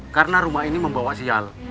karena rumah ini membawa sial